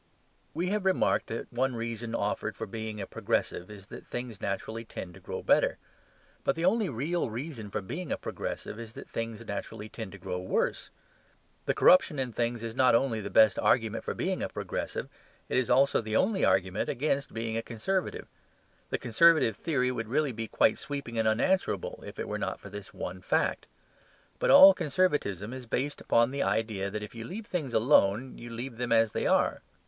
We have remarked that one reason offered for being a progressive is that things naturally tend to grow better. But the only real reason for being a progressive is that things naturally tend to grow worse. The corruption in things is not only the best argument for being progressive; it is also the only argument against being conservative. The conservative theory would really be quite sweeping and unanswerable if it were not for this one fact. But all conservatism is based upon the idea that if you leave things alone you leave them as they are.